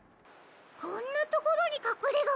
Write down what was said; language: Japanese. こんなところにかくれがが。